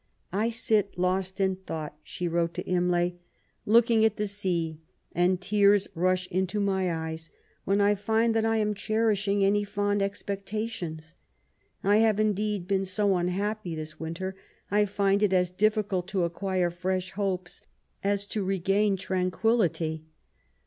" I sit, lost in thought,*' she 140 MART WOLLSTOKBCRAFT GODWIN. wrote to IwHaj, looking at the sea, and tears msli into my eyes when I find that I am cherishing any fond expectations. I have indeed been so unhappy this winter^ I find it as di£Bcalt to acquire fresh hopes as to regain tranquillity.